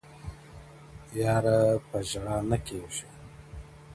ه ياره په ژړا نه کيږي,